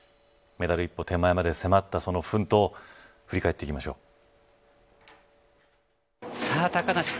メダル一歩手前まで迫ったその奮闘振り返っていきましょう。